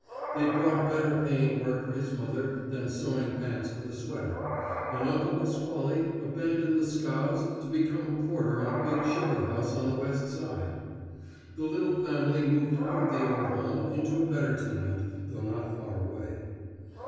They brought better paying work for his mother than sewing pants for the sweater, and Uncle Pasquale abandoned the scows to become a porter in a big shipping house on the West Side. The little family moved out of the old home into a better tenement, though not far away.